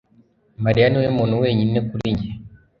Mariya niwe muntu wenyine kuri njye